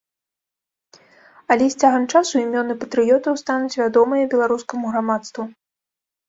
Але з цягам часу імёны патрыётаў стануць вядомыя беларускаму грамадству.